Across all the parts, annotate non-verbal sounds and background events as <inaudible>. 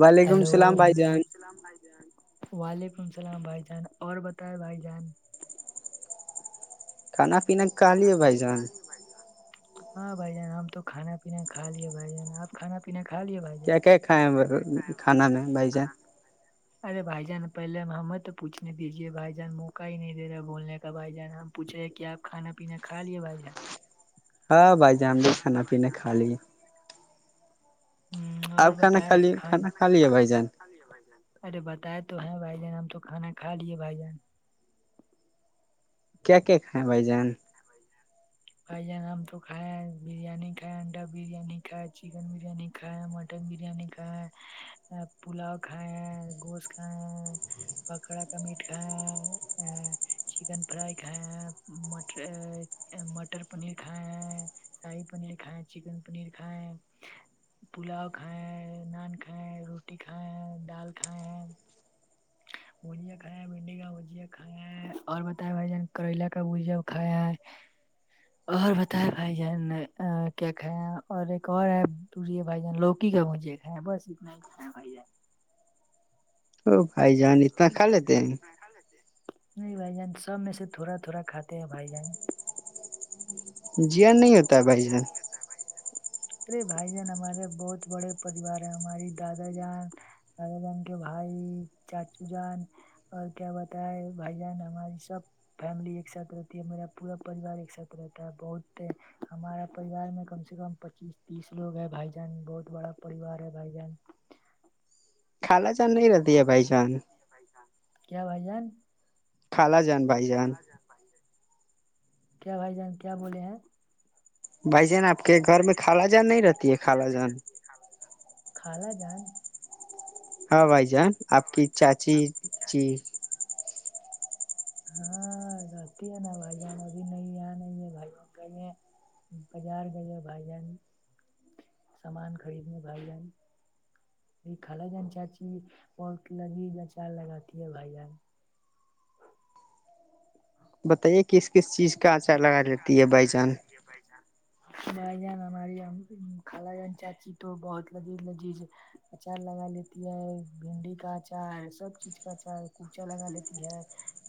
وعلیکم ہلو السلام بھائی وعلیکم جان اللام- وعلیکم السلام بھائی جان اور بتائے بھائی جان- کھانا پینا کھا کھان لیے پنا بھائی جان چاہالی ہو بائا- ہاں بھائی جان ہم تو کھانا پینا کا لیے بھائی جان آپ کانا پیینا کھا لیے بھائی- جان کیا کیا کھائے ہیں کھانا میں بھائی جان ارے بھائی جان پہلے ہمیں تو پوھنے دیجیے بھائی جان موقع ہی نہیں دے رہے بولنے کا بھائی جان ہم پوچھے ہیں کیا آپھانا پینا کھا لے بھائی ہاں بائی جام گے کانا پیینا کا لیی ہ اور آپ کھانا بتائے کھا لیے کھانا کھا ک لیے بھائی اب جان بھ ج ارے بتائے تو ہیں بھائی جان ہم تو کھانا کھا لیے بھائی جان کیا کیا کھیں بھائی جان ک بائیے بھائی جان ہم تو کھائے ہیں بریانی کھائے انڈا بریانی کھائے چکن بریانی کھ کھا ہے مٹن بریانی کھا ہے پلاؤ کھا ہے گوشت کھاائے ہے پکوڑا کا میٹ ک چکن فرائی کھائے ہیں مٹر مٹر پنیر کھائے ہیں شاہی پنیر کھائےیں چکن پنیر کھیں پلاؤ کھائیں نان کھائیں روٹی کھائیں دال کھائیں بھیا کایا بنڈی گا بجیا کا اور بتاائے بھائی جان کریلا کا بجا کھایا ہے اور بتائے بھائی جان کیا کھا اور ایک اور ہےے بھائی جان لوکی کا مجھے ہ بس اتنا ہی کھ ہو جائے ا بھائی جان اتنا کھا لیتے ہیں خال جے نہیں بھائی جان سب میں سے تھوڑا تھوڑا کھاتے ہیں بھائی جان جیر نہیں ہو جی نہیں ہوتا ہے بھائی ارے بھائی جان ہمارے بہت بڑے پریوار ہیں ہماری دادا جان دادا جن کے بھائی چاچو جان اور کیا بتائے بھائی جان ہماری سب فیملی ایک ساتھ رہتی ہے میرا پورا پریوار ایک ساتھ رہتا ہے بہت ہمارا پریوار میں کم سے کم پچیس تیس لوگ ہے بھائی جان بہت بڑا پریوار ہے بھائی جان خھالا چا ارا بھ کیا بھائی جان خالا جان بائی جان کیا بھائی جان کیا بولے ہیں بھائی جان آپ کے گھر میں خالا جان نہیں رہتی ہے خالا جان خالا جان ہاں بھائی جان آپ کی چاچی جی ہاں رہتی ہے نا بھائی جان ابھی نہیں یہاں نہیں ہے بھائی جان کہیں ہیں بازار گائیے بائی جان سامان خریدنا بائی جان یہ کال جان چاچی پٹ لگی ج چار لگاتی ہے بھائی جان بتائیے کس کس چیز کا آچار لگا لیتی ہے بائی جان وہ خ جان ہماری خال جان چاچی تو بہت لذیذ لذیذ اچار لگا لیتی ہے بھنڈی کا اچار سب چیز کا اچار کچا لگا لیتی ہے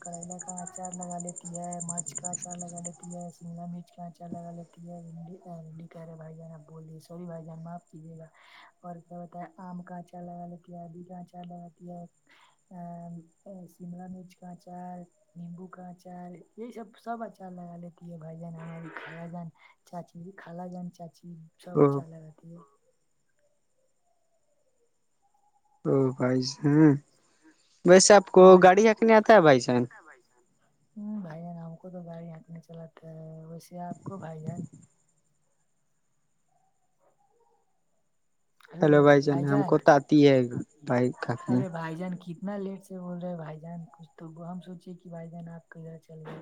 کریلا کا اچار لگا لیتی ہے مٹ کا اچار لگا لیتی ہے سگا مرچ کا اچار لگا لیتی ہےڈینڈی کہہ رہے بھائی جان آب بول دی سوری بھائی جان معاف کیجیے گا اور کیا بتا ہے آم کاچا لگا لیتی ہے آدی کا آچا لگی ہے ا سیملا مرچ کا آچار نیمبو کا آچار یہ سب سب اچھا لگا لیتی بائی جان ہمیں بھی خالا جان چاچی بھی خالا جان چاچی بھی ش او اچان لگ رہتی ہے او بھائی جان ویسے آپ کو گاڑی چھنکنے آتا ہے بھائی جان ب چانس ہ بھائی جان ہم کو تو گاڑی ہنٹنے چلاتے ہے ویسے آپ کو بھائی جان ہیلو بھائی ہم جان کو تو آتی ہے بھائی کھکنے ارے بھائی جان کی ات لیٹ سے بول رہے ہیں بھائی جان کچھ تو ہم سوچے کہ بھائی جان آپ ک ادھر چل گئے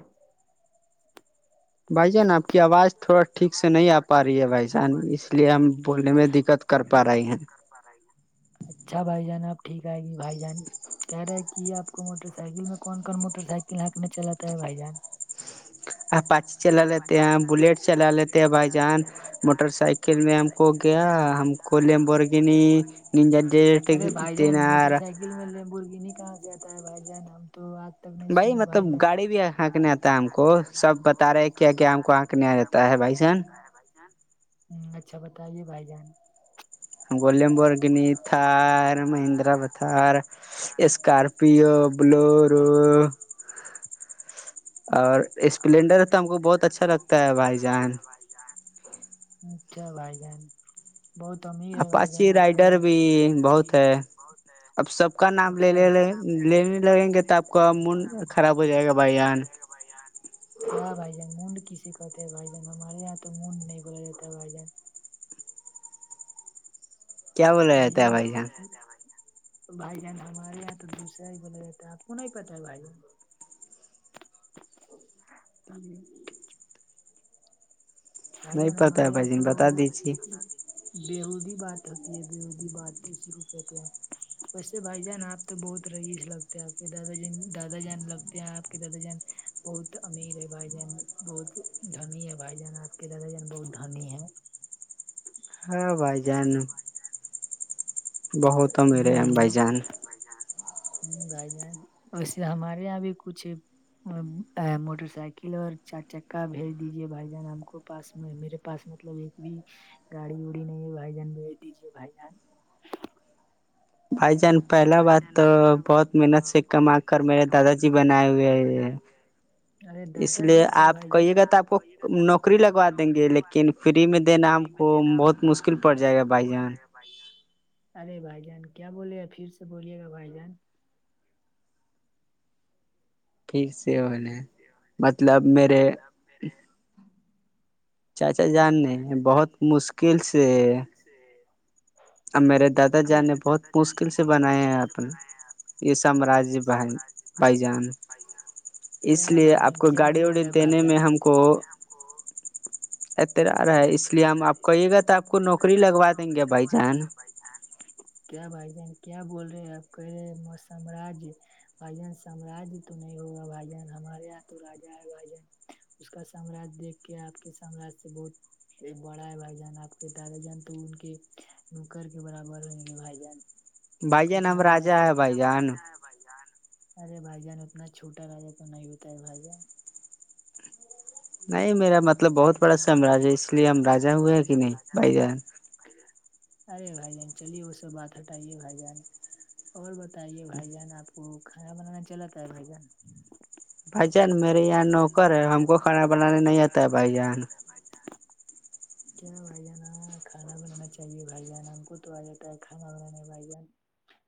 بھائی جان آپ کی آواز تھوڑا ٹھیک سے نہیں آ پا رہی ہے بھائی جان اس لیے ہم بولنے میں دقت کر پا رہے ہیں اچھا بھائی جان اب ٹھیک آئے گی بھائی جان کہہ رہے ہے کہ آپ کو موٹر سائیکل میں کون کون موٹر سائیکل ہاننکنا چلاتا ہے بھائی جان آ پاچ چلا لیتے ہیں بلیٹ چلا لیتے ہیں بائی جان موٹر سائیکل میں ہم کو کیا ہم کولی ہم بورگ نہیں نجر ڈٹ تینار مرگی نہیں کہاں سے آتا ہے بھائی جان ہم تو آ بھائی مطلب گاڑی بھی ہھیکنے آتا ہے ہم کو سب بتا رہے کیا کیا ہم کو آنکھنے آ رہتا ہے بھائی سان بھائی جان ہ اچھا بتائیے بھائی جان گلیم بورگنی تھار مہندرا پ تھار اسکارپیو بلورو اور اور اسپلینڈر تو ہم کو بہت اسپلینڈر س اچھا ہم لگتا بہت ہے اچھا بھائی لگتا جان ہے بھائی یہار اچھا بھائی جان بہت امیر ہے بھائی جان اپاچی آپ کے ر رائڈر بھی رائڈر بھی بہت ہے ب اب سب کا نام اچ لے لے کا نام لے لے لیں لینے لگیں گے ل تو آپ کا لگیں گے تو من آپ کا خراب ہو مون جائے گا بھائی خراب ہو جان جائے گا <unintelligible> ہاں بھائی جان مونڈ کسی کہتے ہیں بھائی جان ہمارے یہاں تو موننڈ نہیں بولا جاتا ہے بھائی جان کیا بولا بھائی جاتا ہے جان بھائی جان ہمارے یہاں تو دوسرے ہی بولے آپ کو نہیں پتہ ہے بھائی جان <unintelligible> آئی ج نہیں نا پتا ہے ہمارے یہاں بھائی تو جان بتا دیجیے بیہودی بات ہوتی ہے بیہودی بات اسی کو کہتے ہیں ویسے بھائی جان آپ تو بہت رہئیس لگتے ہیں آپ کے دادا ج دادا جان لگتے ہیں آپ کے دادا جان بہت امیر ہے بھائی جان بہت دھنی ہے بھائی جان آپ کہ د جانا بہت دھنی ہے <unintelligible> <unintelligible> بہت ا میرے ہیں ہم بھ جان بائی جا بھائی جان ویسے ہمارے یہاں بھی کچھ موٹر سائیکل اور چار چکا بھیج دیجیے بھائی جان ہم کو پاس میں میرے پاس مطلب ایک بھی گاڑی وڑی نہیں ہے بھائی جان بھیج دیجے بھائی جان بھ جان پہلا بات تو بہت محنت سے کم آ کر میرے دادا جی بنائے ہوئے ارے اس دادا لیے جی کیا آپ بھائی جان کہیے گا تو آپ کو نوکری لگوا دیں گے لیکن فری میں دینا ہم کو بہت مشکل پڑ جائے گا بھائی جان ارے بھائی جان کیا بولے گا پھر سے بولیے گا بھائی جان پھیک سے ہونے مطلب میرے بیر چاچا جان نے بہت مشکل سے <unintelligible> اب میرے دادا جان نے بہت مشکل سے بنایا ہیں اپنا ارے یہ سامراجیہ بہ بائیجان اس کیا لیے بھائی آپ جان کو کیا گاڑی بول ووڑی رہے ہیں بھائی دینے میں جان ہم کو اتر رہا ہے اس لیے ہم آپ کہیے گا تو آپ کو نوکری لگوا دیں گے بھائی جان بھ کیا بھائی جان کیا بول رہے آپ کہہ رہے م سامراج بھائی جان سامراجیہ تو نہیں ہوگا بھائی جان ہمارے یہاں تو راجا ہے بھائی جن اس کا سامراج دیکھ کے آپ کے سامراج سے بہت ایک بڑا ہے بھائی جان آپ کے دادا جان تو ان کے نکر کے برابر ہویں گے بھائی جان بھائی جان کتنا ہم بڑا راجا ہے سجے بھائی نام جان رجا ہے بھان ارے بھ جان اتنا چھوٹا کرے تو نہیں ہوتا ہے بھائی جان <unintelligible> نہیں میرا مطلب بہت بڑا سمراج ہے اس لیے ہم راجا ہوئے ہے کہ نہیں بھائی جان ارے بھائی جان چلیے وہ سب بات ہٹائیے بھائی جان اور بتائیے بھائی جان آپ کو کھانا بنانا چلتا ہے بھائی جان بھائی جان میرے یہاں نوکر ہے ہم کو کھانا بنانے نہیں آتا ہے بھائی جان <unintelligible> کیا بھائی جاناں کھانا بنانا چاہیے بھائی جان ہم کو تو آ جاتا ہے کھانا بنانا بھائی جان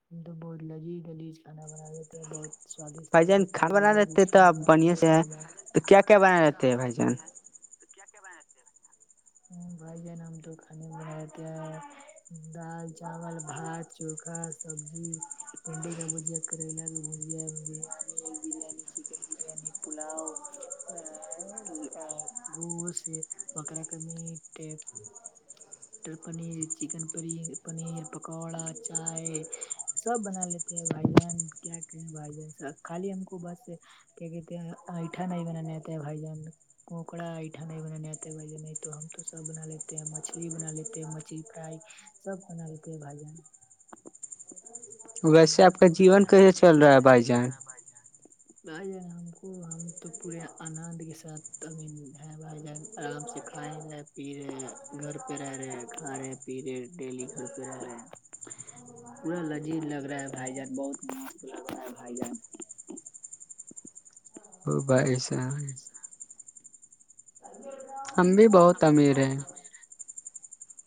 ہم تو بہت لذیذ لذج کھانا بنا لیتے ہیں بہت سوادیشٹ بھائی واد جان کھانا لگی بنا لذی لیتے تو کانا آپ بنال بڑھیا تھ سے ہیں بجان تو کیا کیا بنائے رہتے بھ جان تو کیا کیا بنتے ب بھ جن ہم تو کانے بن ہیں دال چاول بھات چوکھا سبزی کھنڈے کا بجیا کریلا بھجیا بریانی ایک بریانی چکن بریانی پلاؤ گوس وغرہ کرمی تھ مٹر پنیر چکن پ پنیر پکوڑا چائے سب بنا لیتے ہیں بھائی جان کیا کہ بھائی جان سب خالی ہم کو بس کہک اٹا نہیں بن نہیںتے ہیں بھائی جان اکا اٹھا نہیں بننے آتے بھائی نہیں ہم تو سب بنا لیتے ہیں مچھلی بنا لیتے مچلی فرائی سب کھان لیتے ہے بھجن ویسے آپ کا جیون کیسے چل رہا ہے بھائی جان ج ہم کو ہم تو پورے آنند کے ساتھ ابھی بائی جائے آرام سے کھائے جائے پی رہے گھر پہ رہ رہے کھا رہے پی رہے ڈیلی گھر پہ رہ رہے پورا لذیذ لگ رہا ہے بھائی جان بہت مست لگ رہا ہے بھائی جان ہو بھائیس ہم بھی بہت امیرے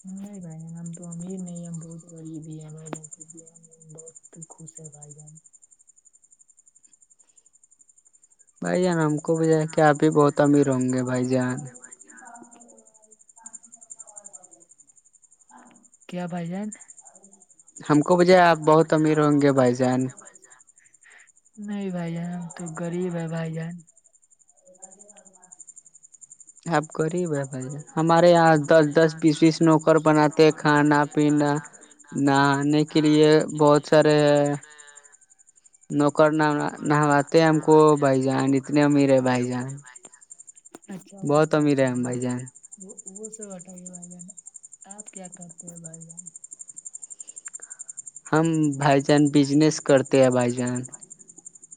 نہیں بھائی جن ہم تو امیر نہیں ہم بہت غریب ہی ہم بھی بہت خوش ہے بائ گن بھائی جان ہم کو بجائے کہ آپ بھی بہت امیر ہوں گے بھائی جان کیا بھائی جان <unintelligible> ہم کو بجھے آپ بہت امیر ہوں گے بھائی جان پ جہ نہیں بھائی جان تو غریب ہے بھائی جان <unintelligible> آپ غریب ہے بھائی جان ہمارے یہاں ہمارے دس دس یہاں بیس بیس دس نوکر پیسس نوک بناتے کھانا بناتتے کھڈا پینا پ نہ نہانے نہ کے لیے لیکن یہ بہت سارے بہت سارے نوکر نام نہواتے ہم کو بھائی جان اتنے امیر ہے بھائی جان اچھا وہ س امبائی جان وہ وہ سے بتائیے بھائی جان آپ کیا کرتے ہیں بھائی جان ہم بھائی جان بجنس کرتے ہیں بھائی جان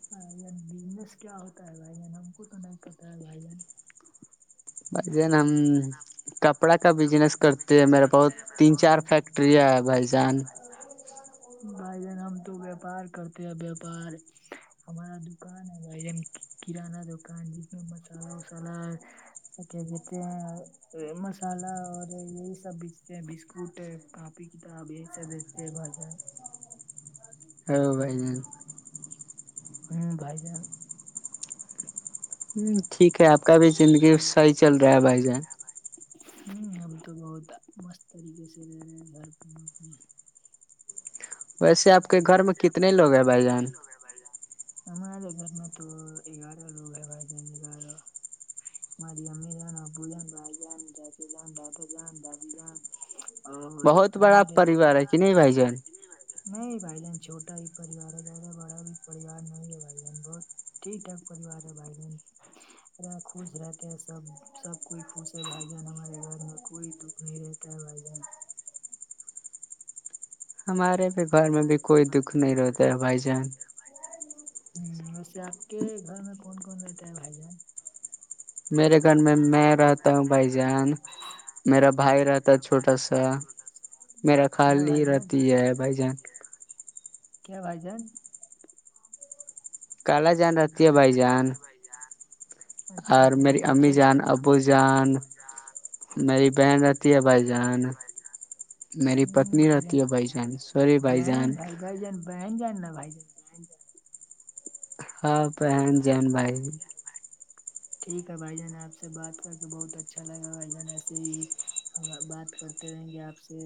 بائی بزنس کیا ہوتا ہے بھائی جن ہم کو تو نہیں پتا ہے بھائی جن بجے نم کپڑا کا بزنس کرتے ہیں میرے بہت تین چار فیکٹریاں ہے بھائی جان بھائی جان ہم تو ویاپار کرتے ہیں ویاپار ہمارا دکان ہے بھائی کران دکان جس میں مسالہ وسالہ <inaudible> مسالہ اور یہی سب بیچتے ہیں بسکٹ کاپی کتاب یہی سب بیچتے ہیں بھجا ہ <inaudible> ہاں بھائی جان ہمم بھائی جان جان ٹھیک ہے آپ کا بھی زندگی صحیح ہی چل رہا ہے بھائی جان ہ اب تو بہت مست طریقے سے رہ رہے ہیں گھر ویسے آپ کے گھر میں کتنے لوگ ہیں بھائی جان ہمارے گھر میں تو گیارہ لوگ ہیں بھائی جان گیارہ ہماری امی جان ابو جان بھائی جان چاچے جان دادا جان دادی جان اور بہت بڑا ہمارے ہمارے پریوار ہے کہ نہیں بھائی جان ہے نہیں بھائی بہن چھوٹا ہی پریوار ہے بڑا بڑا بھی پریوار نہیں ہے بھائی بن بہت ٹھیک ٹاک پریوار ہے بھائی بہن ا خوش رہتے ہیں سب سب کوئی خوش ہے بھائی جان ہمارے گھر میں کوئی دکھ نہیں رہتا ہے بھائی جان ہمارے بھی گھر میں بھی کوئی دکھ نہیں رہتا ہے بھائی جان ہ ویسے آپ کے گھر میں کون کون رہتا ہے بھائی جان میرے گھر میں میں رہتا ہوں بھائی جان میرا بھائی رہتا ہے ما بھائی چھوٹا سا رہتا چھوٹا سا میرا کیا خالی بھائی ہے رہتی ب بھائی رہتی جان ہے کیا بھائی جان کال جان رہتی ہے بھائی جان <inaudible> اچھا اور بھائی میری امی چل جان ابو جان میری بہن رہتی ہے بھائی جان میری پتنی رہتی ہے بھائی جان سوری بھائی جان بہن بھائی بھائی جان بہن جان نا بھائی جان ہاں پہن جین بھائی ٹھیک ہے بھائی جان آپ سے بات کر کے بہت اچھا لگا بھائی جان ایسے ہی بات کر رہیں گے آپ سے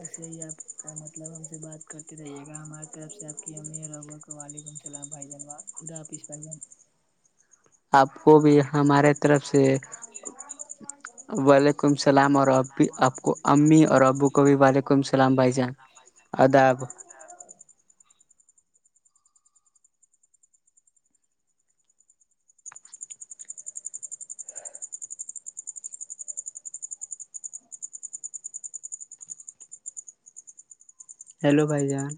ایسے ہی آپ کا مطلب ہم سے بات کرتے رہیے گا ہمار آپ سے آپکی امی اور ابو کو وعلیکم السلام بھائی جان خدا حافظ بھائی جان آپ کو بھی ہمارے طرف سے وعلیکم السلام اور اب بھی آپ کو امی اور ابو کو بھی وعلیکم السلام بھائی جان اداب <unintelligible> ہیلو بھائی جان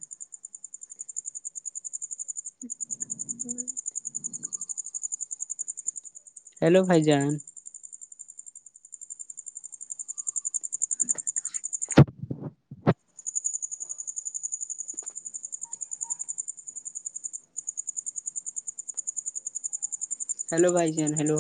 ہیلو بھائی جان ہیلو بھائی جان ہیلو